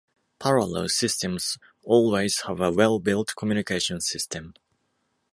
Parallel systems always have a well-built communication system.